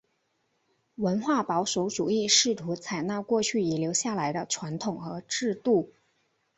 文化保守主义试图采纳过去遗留下来的传统和制度。